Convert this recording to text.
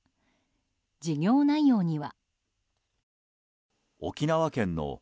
事業内容には。